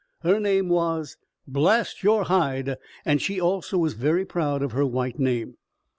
Her name was Blast Your Hide, and she also was very proud of her white name.